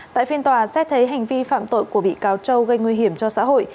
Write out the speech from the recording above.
tại phiên tòa xét thấy hành vi phạm tội của bị cáo châu gây nguy hiểm cho xã hội